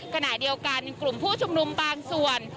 กระหน่ายเดียวกันกลุ่มผู้ชมนุมบางส่วน